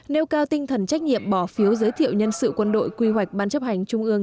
nêu cao tinh thần trách nhiệm bỏ phiếu giới thiệu nhân sự quân đội quy hoạch ban chấp hành trung ương